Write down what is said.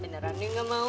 beneran nih gak mau